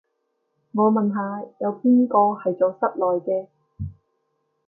我問下，有邊個係做室內嘅